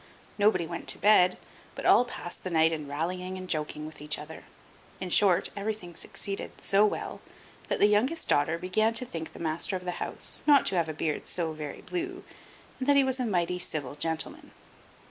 Nobody went to bed, but all passed the night in rallying and joking with each other. In short, everything succeeded so well that the youngest daughter began to think the master of the house not to have a beard so very blue, and that he was a mighty civil gentleman.